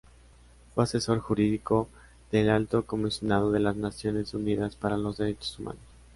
Fue asesor jurídico del Alto Comisionado de las Naciones Unidas para los Derechos Humanos.